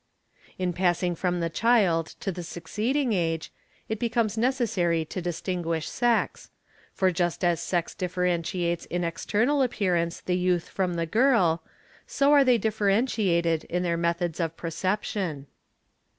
4 In passing from the child to the succeeding age, it becomes necessary to distinguish sex; for just as sex differentiates in external appearance the youth from the girl, so are they differentiated in their methods of _ perception.